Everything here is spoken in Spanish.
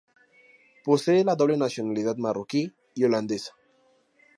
Posee la doble nacionalidad marroquí y holandesa.